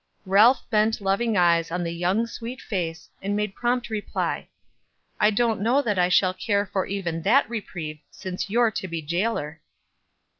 Ralph bent loving eyes on the young, sweet face, and made prompt reply: "I don't know that I shall care for even that reprieve, since you're to be jailer."